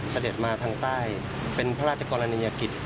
เสด็จมาทางใต้เป็นพระราชกรณียกิจ